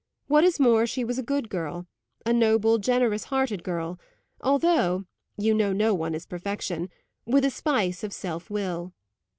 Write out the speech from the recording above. What is more, she was a good girl a noble, generous hearted girl, although (you know no one is perfection) with a spice of self will.